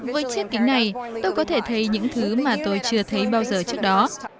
với chiếc kính này tôi có thể thấy những thứ mà tôi chưa thấy bao giờ trước đó